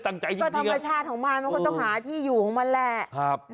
ซึ่งก็ถังมาชาติของมันมันต้องหาที่อยู่ของมันแหละ